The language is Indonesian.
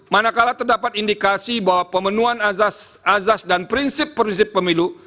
manakala terdapat indikasi bahwa pemenuhan azas dan prinsip prinsip pemilu